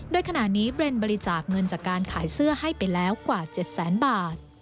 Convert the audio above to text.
โดยขณะนี้เบรนด์บริจาคเงินจากการขายเสื้อให้ไปแล้วกว่า๗แสนบาท